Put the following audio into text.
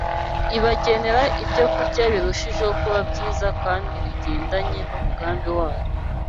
Ibagenera ibyokurya birushijeho kuba byiza kandi bigendanye n’umugambi wayo